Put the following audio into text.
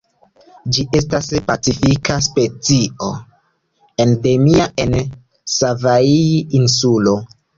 Ĝi estas pacifika specio, endemia en Savaii-Insulo.